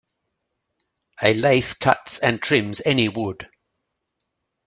A lathe cuts and trims any wood.